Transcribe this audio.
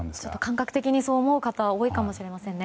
感覚的にそう思う方は多いかもしれないですね。